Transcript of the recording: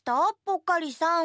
ぽっかりさん。